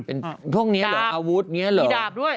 เป็นพวกนี้เหรออาวุธอย่างนี้เหรอมีดาบด้วย